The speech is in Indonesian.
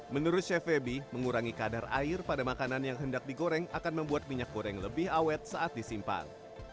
menurut chef febi mengurangi kadar air pada makanan yang hendak digoreng akan membuat minyak goreng lebih awet saat disimpan